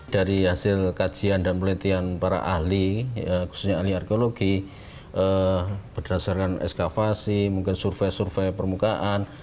dari hasil kajian dan penelitian para ahli khususnya ahli arkeologi berdasarkan eskavasi mungkin survei survei permukaan